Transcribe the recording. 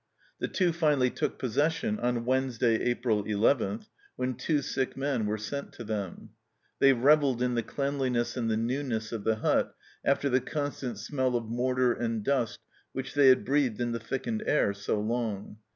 The Two finally took possession on Wednesday, April 11, when two sick men were sent to them. They revelled in the cleanliness and the newness of the hut after the constant smell of mortar and dust which they had breathed in the thickened air so long.